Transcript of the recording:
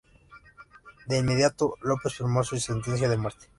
De inmediato, López firmó su sentencia de muerte.